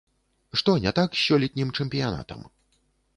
Што не так з сёлетнім чэмпіянатам?